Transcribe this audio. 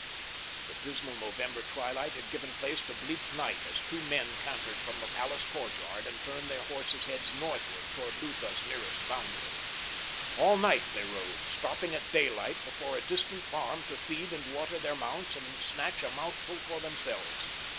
The dismal November twilight had given place to bleak night as two men cantered from the palace courtyard and turned their horses' heads northward toward Lutha's nearest boundary. All night they rode, stopping at daylight before a distant farm to feed and water their mounts and snatch a mouthful for themselves.